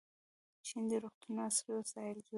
چین د روغتونونو عصري وسایل جوړوي.